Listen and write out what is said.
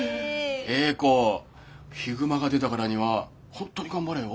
詠子ヒグマが出たからには本当に頑張れよ。